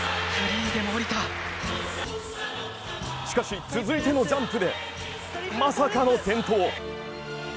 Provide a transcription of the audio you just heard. しかし、続いてのジャンプでまさかの転倒。